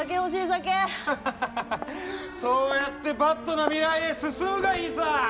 そうやってＢａｄな未来へ進むがいいさ！